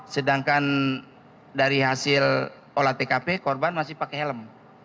sedangkan dari hasil olah tkp korban masih pakai helm